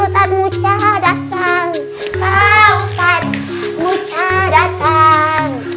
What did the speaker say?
ustadz musa datang ustadz musa datang